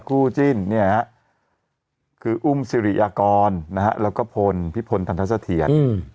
คูจิ้นคืออุ้มศรีอากรแล้วก็พี่พลศรีษฐศเถียร